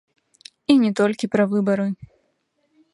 І не толькі пра выбары.